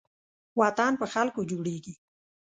وطن په خلکو جوړېږي